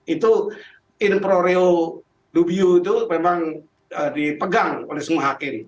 itu in pro reo dubiu itu memang dipegang oleh semua hakim